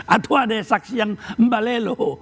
atau ada saksi yang mbalelo